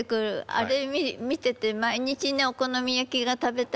あれ見てて毎日お好み焼きが食べたいと。